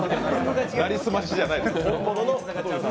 成り済ましじゃないです。